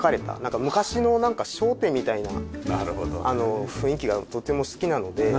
昔の商店みたいな雰囲気がとても好きなので。